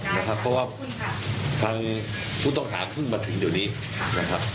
เพราะว่าทางผู้ต้องหาเพิ่งมาถึงเดี๋ยวนี้นะครับ